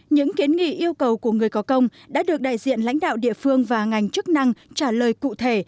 những kiến nghị yêu cầu của người có công đã được đại diện lãnh đạo địa phương và ngành chức năng trả lời cụ thể